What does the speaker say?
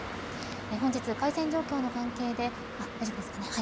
本日、回線状況の関係で大丈夫ですかね。